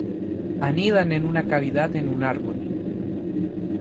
Anidan en una cavidad en un árbol.